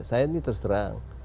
saya ini terserang